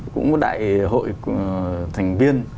cũng có đại hội thành viên